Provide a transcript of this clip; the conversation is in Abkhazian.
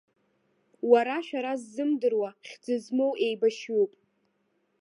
Уара шәара ззымдыруа, хьӡы змоу еибашьҩуп.